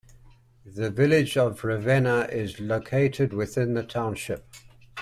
The Village of Ravenna is located within the township.